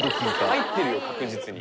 入ってるよ確実に。